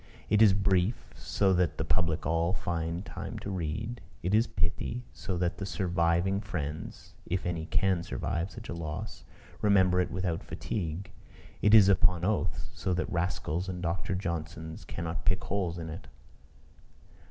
It is brief, so that the public all find time to read; it is pithy, so that the surviving friends (if any can survive such a loss) remember it without fatigue; it is upon oath, so that rascals and Dr. Johnsons cannot pick holes in it.